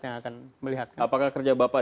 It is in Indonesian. yang akan melihat apakah kerja bapak